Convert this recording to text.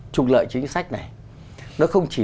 trục lợi chính sách này nó không chỉ